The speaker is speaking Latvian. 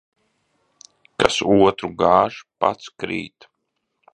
Kas otru gāž, pats krīt.